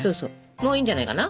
もういいんじゃないかな？